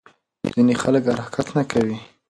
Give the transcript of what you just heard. ځینې خلک حرکت نه کوي.